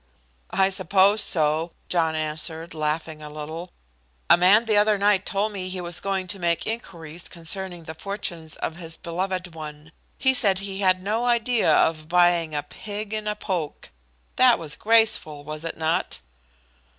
"I suppose so," John answered, laughing a little. "A man the other night told me he was going to make inquiries concerning the fortunes of his beloved one. He said he had no idea of buying a pig in a poke. That was graceful, was it not?"